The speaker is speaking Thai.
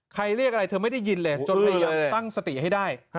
เรียกอะไรเธอไม่ได้ยินเลยจนพยายามตั้งสติให้ได้